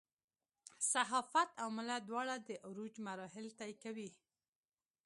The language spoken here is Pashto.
صحافت او ملت دواړه د عروج مراحل طی کوي.